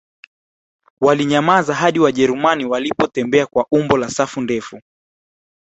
Walinyamaza hadi Wajerumani walipotembea kwa umbo la safu ndefu